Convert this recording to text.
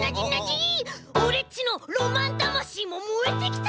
オレっちのロマンだましいももえてきた。